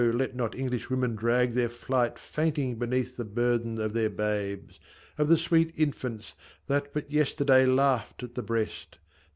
let not English women drag their flight Fainting beneath the burthen of their babes, Of the sweet infants, that but yesterday Laughed at the breast